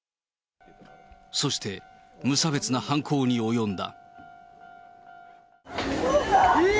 そして無差別な犯行に及んだ。